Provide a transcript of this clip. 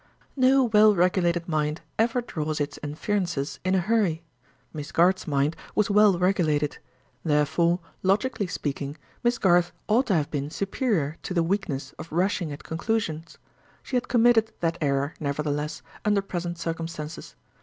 No well regulated mind ever draws its inferences in a hurry; Miss Garth's mind was well regulated; therefore, logically speaking, Miss Garth ought to have been superior to the weakness of rushing at conclusions. She had committed that error, nevertheless, under present circumstances.